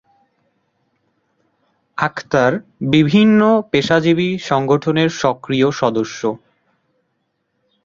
আখতার বিভিন্ন পেশাজীবী সংগঠনের সক্রিয় সদস্য।